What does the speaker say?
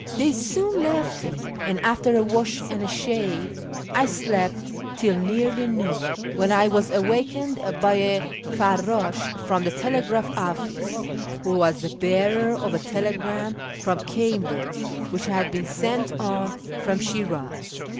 They soon left me, and, after a wash and a shave, I slept till nearly noon, when I was awakened by a/«?Tds/t from the telegraph office, who was the bearer of a telegram from Cambridge, which had been sent on from Shiraz.